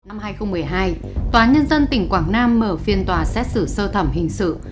năm hai nghìn một mươi hai tòa nhân dân tỉnh quảng nam mở phiên tòa xét xử sơ thẩm hình sự